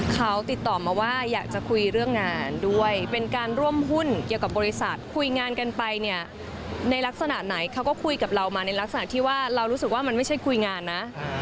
เขาติดต่อมาว่าอยากจะคุยเรื่องงานด้วยเป็นการร่วมหุ้นเกี่ยวกับบริษัทคุยงานกันไปเนี่ยในลักษณะไหนเขาก็คุยกับเรามาในลักษณะที่ว่าเรารู้สึกว่ามันไม่ใช่คุยงานนะ